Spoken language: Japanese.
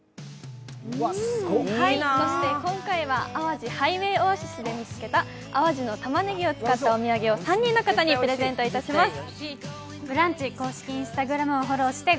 そして今回は淡路ハイウェイオアシスで見つけた淡路のたまねぎを使ったお土産を３人の方にプレゼントします。